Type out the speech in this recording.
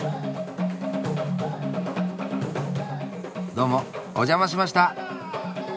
どうもお邪魔しました！